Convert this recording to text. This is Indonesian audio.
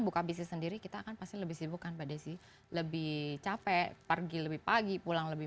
buka bisnis sendiri kita akan pasti lebih sibuk kan pak desi lebih capek pergi lebih pagi pulang lebih